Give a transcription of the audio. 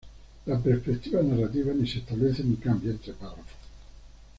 La perspectiva narrativa ni se establece ni cambia entre párrafos.